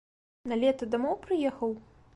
На лета дамоў прыехаў?